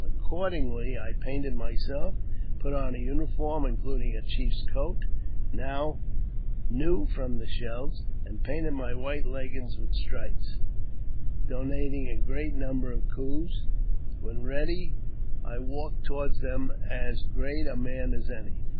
Accordingly, I painted myself, and put on a uniform, ii eluding a chief's coat, new from the shelves, and painted mj white leggings with stripes, denoting a great number of coos ; when ready, I walked toward them as great a man as any.